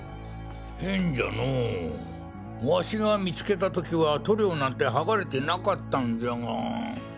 変じゃのォワシが見つけた時は塗料なんてはがれてなかったんじゃが。